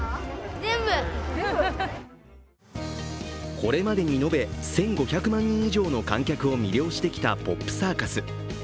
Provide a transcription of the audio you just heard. これまでに延べ１５００万人以上の観客を魅了してきたポップサーカス。